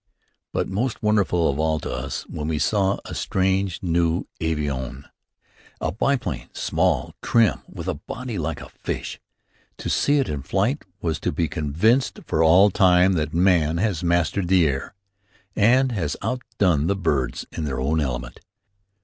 But, most wonderful of all to us then, we saw a strange, new avion, a biplane, small, trim, with a body like a fish. To see it in flight was to be convinced for all time that man has mastered the air, and has outdone the birds in their own element.